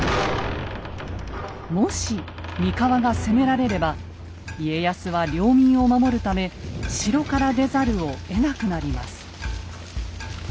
もし三河が攻められれば家康は領民を守るため城から出ざるをえなくなります。